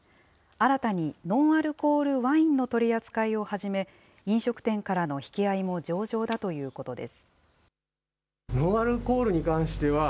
新たにノンアルコールワインの取り扱いを始め、飲食店からの引き合いも上々だということです。